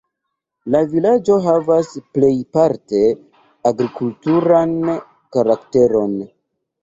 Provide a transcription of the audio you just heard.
La vilaĝo havas plejparte agrikulturan karakteron.